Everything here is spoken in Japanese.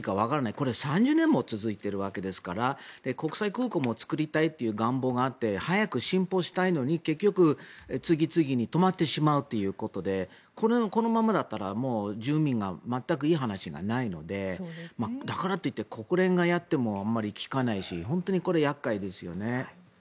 これ、３０年も続いているわけですから国際空港も作りたいという願望があって早く進歩したいので、結局次々に止まってしまうということでこのままだったら住民が全くいい話がないのでだからといって国連がやっても聞かないし本当に厄介ですよね。